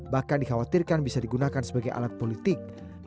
bahkan dikhawatirkan bisa digunakan sebagai alat politik